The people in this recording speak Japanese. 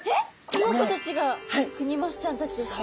この子たちがクニマスちゃんたちですか？